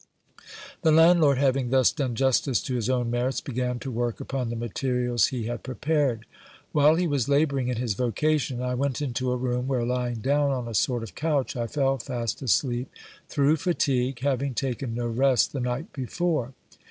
The landlord, having thus done justice to his own merits, began to work upon the materials he had prepared. While he was labouring in his vocation, I went into a room, where lying down on a sort of couch, I fell fast asleep through fatigue, having taken no rest the night before.